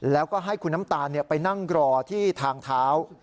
แล้วก็ให้คุณน้ำตาลไปนั่งรอที่ทางเท้า